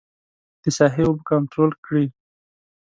د ساحې اوبه کنترول کړي.